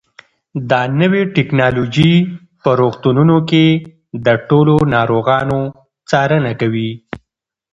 دا نوې ټیکنالوژي په روغتونونو کې د ټولو ناروغانو څارنه کوي.